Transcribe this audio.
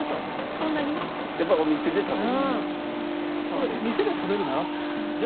これ店で食べるならっていうんじゃないよね？